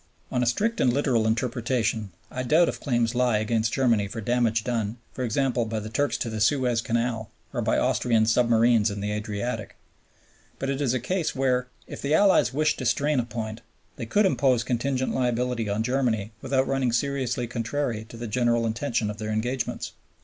On a strict and literal interpretation, I doubt if claims lie against Germany for damage done, e.g. by the Turks to the Suez Canal, or by Austrian submarines in the Adriatic. But it is a case where, if the Allies wished to strain a point, they could impose contingent liability on Germany without running seriously contrary to the general intention of their engagements.